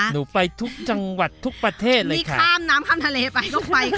หนูไปทุกจังหวัดทุกประเทศเลยนี่ข้ามน้ำข้ามทะเลไปก็ไปค่ะ